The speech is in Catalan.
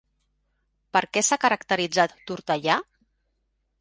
Per què s'ha caracteritzat Tortellà?